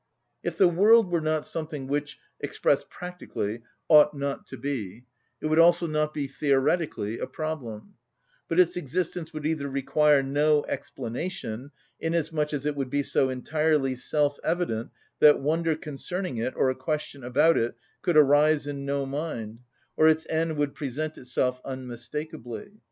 If the world were not something which, expressed practically, ought not to be, it would also not be theoretically a problem; but its existence would either require no explanation, inasmuch as it would be so entirely self‐evident that wonder concerning it or a question about it could arise in no mind, or its end would present itself unmistakably.